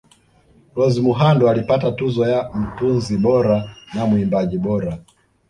Rose Muhando alipata tuzo ya mtunzi bora na muimbaji bora